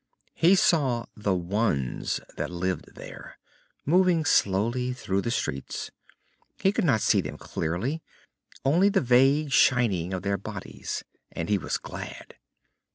He saw the Ones that lived there, moving slowly through the streets. He could not see them clearly, only the vague shining of their bodies, and he was glad.